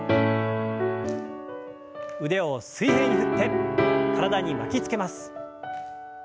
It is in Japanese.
腕を水平に振って体に巻きつけます。